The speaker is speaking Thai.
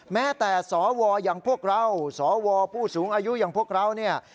แม้แต่สวอย่างพวกเราสวผู้สูงอายุอย่างพวกเราเนี่ย